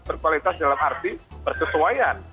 berkualitas dalam arti persesuaian